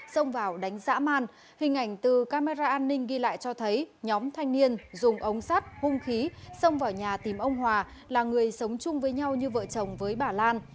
xông vào đánh giã man hình ảnh từ camera an ninh ghi lại cho thấy nhóm thanh niên dùng ống sắt hung khí xông vào nhà tìm ông hòa là người sống chung với nhau như vợ chồng với bà lan